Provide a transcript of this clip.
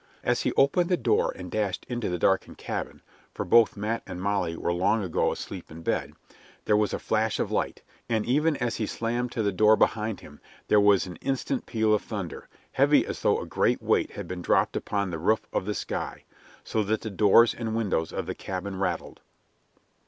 As he opened the door and dashed into the darkened cabin (for both Matt and Molly were long ago asleep in bed) there was a flash of light, and even as he slammed to the door behind him there was an instant peal of thunder, heavy as though a great weight had been dropped upon the roof of the sky, so that the doors and windows of the cabin rattled.